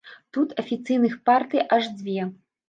Тут афіцыйных партый аж дзве.